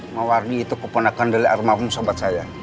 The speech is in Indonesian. mawardi itu keponakan dari almarhum sobat saya